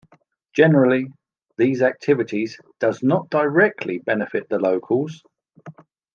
Generally, these activities does not directly benefit the locals.